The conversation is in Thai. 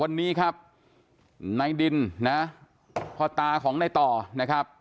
วันนี้ครับนายดินนะเพราะตาของนายต่อนะครับ